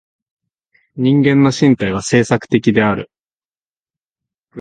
人間の身体は制作的である。